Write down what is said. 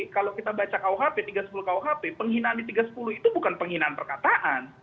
kalau kita baca kau hp penghinaan di tiga puluh itu bukan penghinaan perkataan